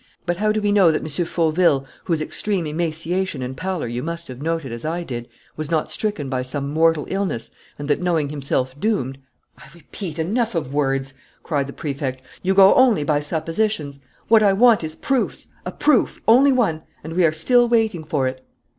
But how do we know that M. Fauville, whose extreme emaciation and pallor you must have noted as I did, was not stricken by some mortal illness and that, knowing himself doomed " "I repeat, enough of words!" cried the Prefect. "You go only by suppositions. What I want is proofs, a proof, only one. And we are still waiting for it."